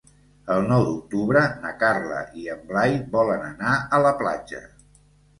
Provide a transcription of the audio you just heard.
El nou d'octubre na Carla i en Blai volen anar a la platja.